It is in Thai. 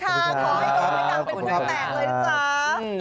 ขอให้ตัวไม่ดังเป็นผู้แตกเลยนะจ๊ะ